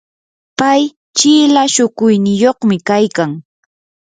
pay chila shukuyniyuqmi kaykan.